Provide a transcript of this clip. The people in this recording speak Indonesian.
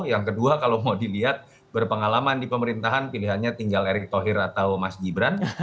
yang kedua kalau mau dilihat berpengalaman di pemerintahan pilihannya tinggal erick thohir atau mas gibran